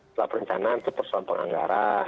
pertama perencanaan itu persoal penganggaran